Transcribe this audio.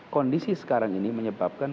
kondisi sekarang ini menyebabkan